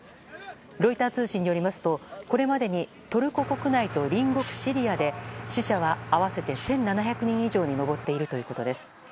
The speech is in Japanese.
ロイター通信によりますとこれまでにトルコ国内と隣国シリアで死者は合わせて１７００人以上に上っているということです。